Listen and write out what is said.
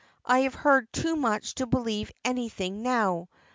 I have heard too much to believe anything now.